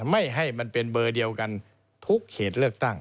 ไม่ให้มันเป็นเบอร์เดียวกันทุกเขตเลือกตั้ง